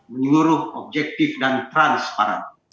menyeluruh objektif dan transparan